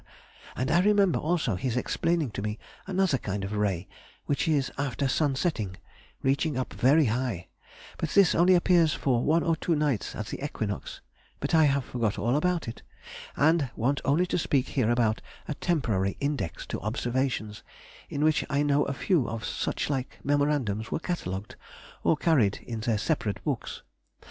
and I remember also his explaining to me another kind of ray, which is after sun setting, reaching up very high; but this only appears for one or two nights at the equinox: but I have forgot all about it, and want only to speak here about a temporary Index to observations, in which I know a few of suchlike memorandums were catalogued or carried in their separate books.